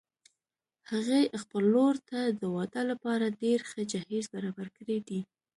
هغې خپلې لور ته د واده لپاره ډېر ښه جهیز برابر کړي دي